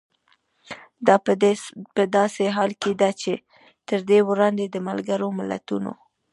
دا په داسې حال کې ده چې تر دې وړاندې د ملګرو ملتونو